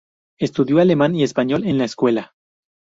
Estudió alemán y español en la escuela.